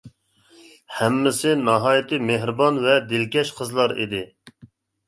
ھەممىسى ناھايىتى مېھرىبان ۋە دىلكەش قىزلار ئىدى.